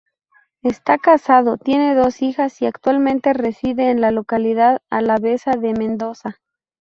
Está casado, tiene dos hijas y actualmente reside en la localidad alavesa de Mendoza.